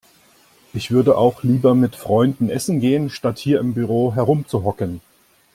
Ich würde auch lieber mit Freunden Essen gehen, statt hier im Büro herumzuhocken.